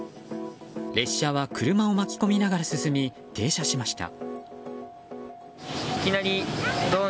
列車は車を巻き込みながら進み停車しました。